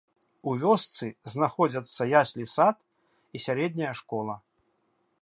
У вёсцы знаходзяцца яслі-сад і сярэдняя школа.